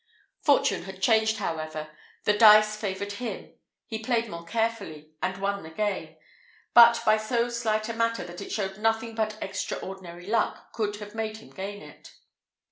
Fortune had changed, however; the dice favoured him; he played more carefully, and won the game, but by so slight a matter, that it showed nothing but extraordinary luck could have made him gain it.